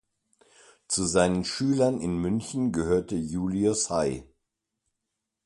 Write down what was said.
Zu seinen Schülern in München gehörte Julius Hey.